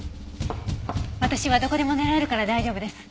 私はどこでも寝られるから大丈夫です。